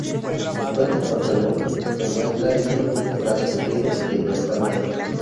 Cuenta con reloj que muestra el tiempo transcurrido y el restante.